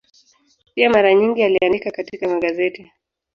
Pia mara nyingi aliandika katika magazeti.